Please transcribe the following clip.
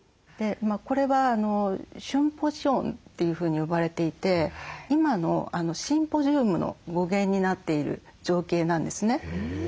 これは「シュンポシオン」というふうに呼ばれていて今の「シンポジウム」の語源になっている情景なんですね。